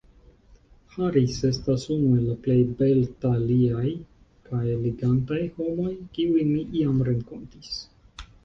Harris estas unu el la plej beltaliaj kaj elegantaj homoj, kiujn mi iam renkontis.